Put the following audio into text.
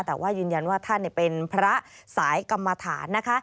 แต่ว่ายืนยันว่าท่านเป็นพระสายกรรมฐานนะคะ